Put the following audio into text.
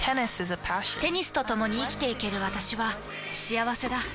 テニスとともに生きていける私は幸せだ。